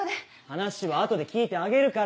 話は後で聞いてあげるから。